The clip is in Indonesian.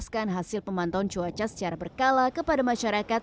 menjelaskan hasil pemantauan cuaca secara berkala kepada masyarakat